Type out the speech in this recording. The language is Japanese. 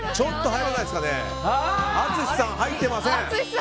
淳さん、入ってません。